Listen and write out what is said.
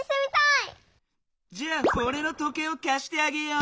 じゃあおれの時計をかしてあげよう。